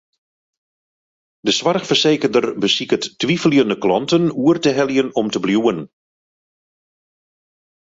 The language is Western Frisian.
De soarchfersekerder besiket twiveljende klanten oer te heljen om te bliuwen.